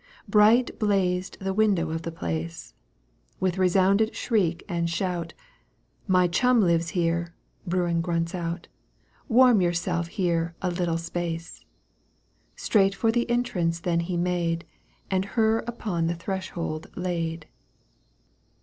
Bright blazed the win(Jow of the place, Within resounded shriek and shout :" My chum lives here," Bruin grunts out. " Warm yourself here a little space !" Straight for the eptrance then he made And her upon the threshold laid.